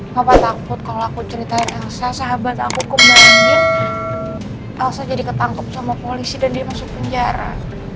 mbak takut kalau aku ceritain elsa sahabat aku ke mbak andien elsa jadi ketangkep sama polisi dan dia masuk penjara